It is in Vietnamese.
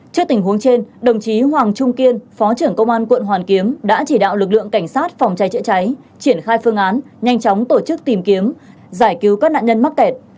trước tình huống trên đồng chí hoàng trung kiên phó trưởng công an quận hoàn kiếm đã chỉ đạo lực lượng cảnh sát phòng cháy chữa cháy triển khai phương án nhanh chóng tổ chức tìm kiếm giải cứu các nạn nhân mắc kẹt